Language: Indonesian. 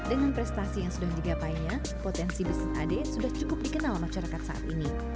dengan prestasi yang sudah digapainya potensi bisnis ade sudah cukup dikenal masyarakat saat ini